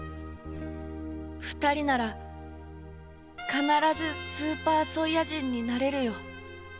２人なら必ずスーパーソイヤ人になれるよ。